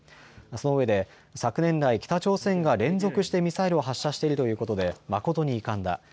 そのうえで昨年来、北朝鮮が連続してミサイルを発射しているということで誠に遺憾だ。